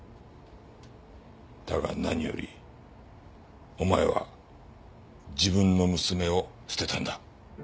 だが何よりお前は自分の娘を捨てたんだ。